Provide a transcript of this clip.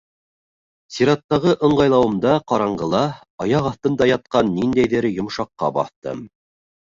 Сираттағы ыңғайлауымда ҡараңғыла аяҡ аҫтында ятҡан ниндәйҙер йомшаҡҡа баҫтым.